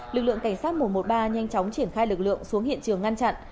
lực lượng cảnh sát một trăm một mươi ba nhanh chóng triển khai lực lượng xuống hiện trường ngăn chặn